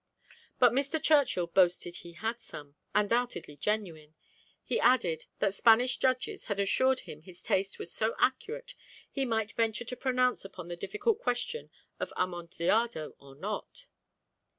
But Mr. Churchill boasted he had some, undoubtedly genuine; he added, "that Spanish judges had assured him his taste was so accurate he might venture to pronounce upon the difficult question of amontillado or not!"